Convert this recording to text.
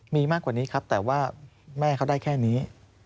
มีมากกว่านี้ครับแต่ว่าแม่เขาได้แค่นี้